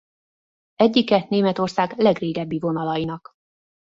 Egyike Németország legrégebbi vonalainak.